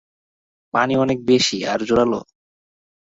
পানি অনেক বেশি আর জোরালো।